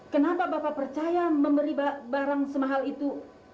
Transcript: kenapa bapak percaya memberi barang semahal itu